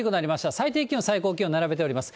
最低気温、最高気温並べております。